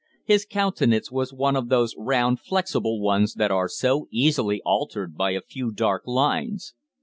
His countenance was one of those round, flexible ones that are so easily altered by a few dark lines.